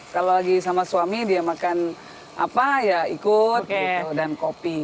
kalau lagi sama suami dia makan apa ya ikut gitu dan kopi